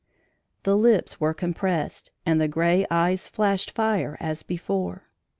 The lips were compressed and the gray eye flashed fire as before.